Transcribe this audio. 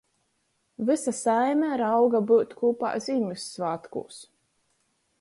Vysa saime rauga byut kūpā Zīmyssvātkūs.